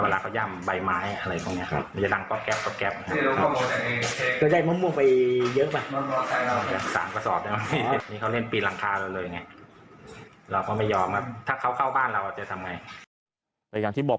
เวลาเขาย่ำใบไม้อะไรพวกนี้ครับ